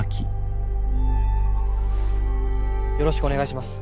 よろしくお願いします。